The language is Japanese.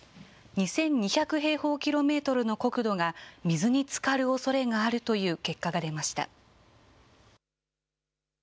２２００平方キロメートルの国土が水につかるおそれがあるという結果が出ました。